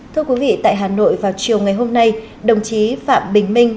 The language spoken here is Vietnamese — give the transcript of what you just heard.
thưa quý vị tại hà nội vào chiều ngày hôm nay đồng chí phạm bình minh